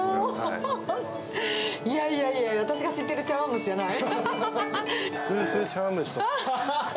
いやいやいやいや、私が知ってる茶わん蒸しじゃない。